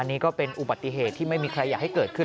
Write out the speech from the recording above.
นี่ก็เป็นอุบัติเหตุที่ไม่มีใครอยากให้เกิดขึ้น